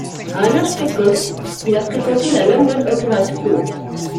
À un âge précoce, il a fréquenté la London Opera School.